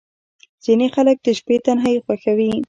• ځینې خلک د شپې تنهايي خوښوي.